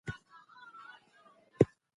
لومړنۍ مرستې له ځان سره ولرئ.